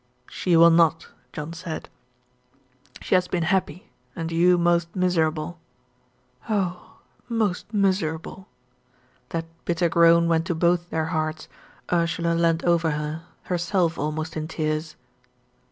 "She will not," John said. "She has been happy, and you most miserable." "Oh, most miserable." That bitter groan went to both their hearts, Ursula leaned over her herself almost in tears.